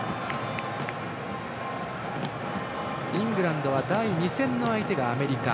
イングランドは第２戦の相手がアメリカ。